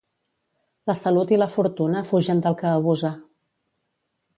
La salut i la fortuna fugen del que abusa.